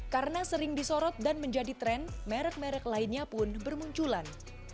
karena sering disorot dan menjadi tren merek merek lainnya pun bermunculan